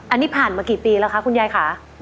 อันนี้ผ่านมากี่ปีแล้วคะคุณยายค่ะ